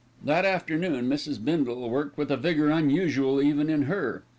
That afternoon, Mrs. Bindle worked with a vigour unusual even in her.